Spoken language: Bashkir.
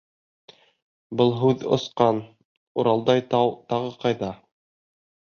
Был һүҙ осҡан — Уралдай тау тағы ҡайҙа?